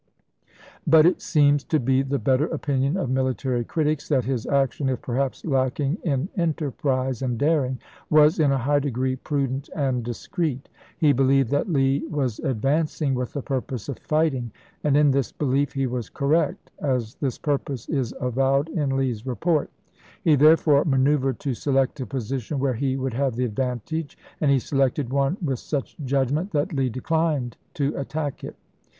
But it seems to be the better opinion of military critics, that his action, if perhaps lacking in enterprise and daring, was in a high degree prudent and discreet. He believed that Lee was advancing with the pui'pose of fighting, and in this belief he was correct, as this purpose is avowed in Lee's report. He there fore manoeuvi ed to select a position where he would have the advantage, and he selected one with such judgment th'at Lee declined to attack it.